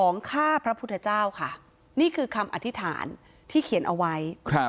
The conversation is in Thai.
นี่คือคำอธิษฐานที่เขียนเอาไว้